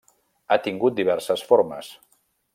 Ha tingut diverses formes.